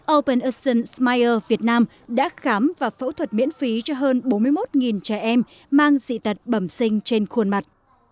open ostion smire việt nam đã khám và phẫu thuật miễn phí cho hơn bốn mươi một trẻ em mang dị tật bẩm sinh trên khuôn mặt